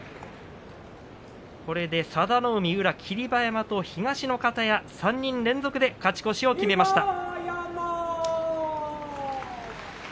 これで佐田の海と宇良、霧馬山と東の方屋３人連続で勝ち越しを決めました。